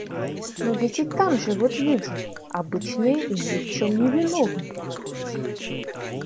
Но ведь и там живут люди! Обычные и ни в чем невиновные...